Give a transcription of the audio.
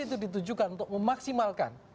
itu ditujukan untuk memaksimalkan